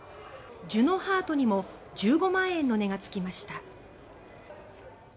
ジュノハートにも１５万円の値がつきました。